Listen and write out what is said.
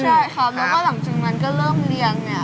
ใช่ครับแล้วก็หลังจากนั้นก็เริ่มเลี้ยงเนี่ย